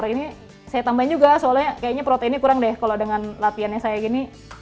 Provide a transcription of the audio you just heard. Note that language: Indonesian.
ini saya tambahin juga soalnya kayaknya proteinnya kurang deh kalau dengan latihannya saya gini